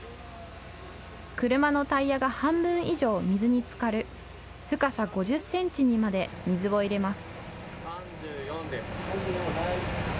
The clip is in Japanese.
車のタイヤが半分以上、水につかる深さ５０センチにまで水を入れます。